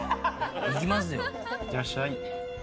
いってらっしゃい。